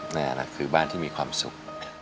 นั่นแหละคือบ้านที่มีความสุข